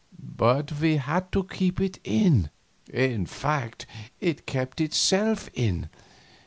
But we had to keep it in; in fact, it kept itself in.